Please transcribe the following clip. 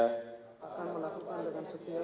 segala perintah dan petunjuk petunjuk